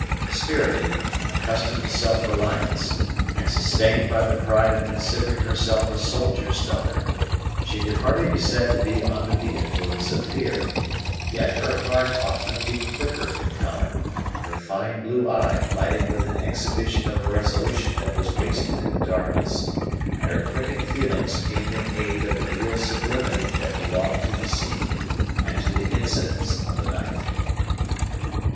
Spirited, accustomed to self reliance, and sustained by the pride of considering herself a soldier's daughter, she could hardly be said to be under the influence of fear, yet her heart often beat quicker than common, her fine blue eye lighted with an exhibition of a resolution that was wasted in the darkness, and her quickened feelings came in aid of the real sublimity that belonged to the scene and to the incidents of the night.